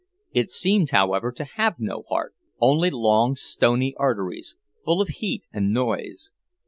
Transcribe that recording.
It seemed, however, to have no heart; only long, stony arteries, full of heat and noise.